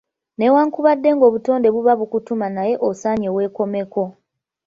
Newankubadde ng'obutonde buba bukutuma naye osaanye weekomeko.